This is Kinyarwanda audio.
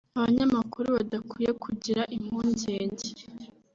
abanyamakuru badakwiye kugira impungenge